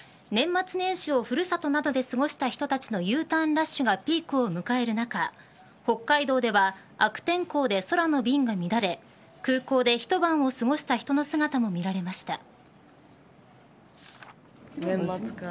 年末年始を古里などで過ごした人たちのＵターンラッシュがピークを迎える中北海道では悪天候で空の便が乱れ空港で一晩を過ごした人の姿も見られました。